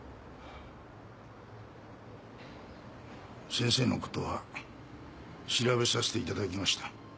先生のことは調べさせていただきました。